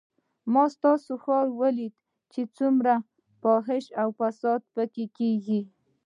ما ستاسو ښار وليد چې څومره فحشا او فساد پکښې کېږي.